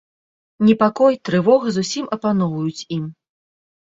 Непакой, трывога зусім апаноўваюць ім.